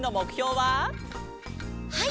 はい！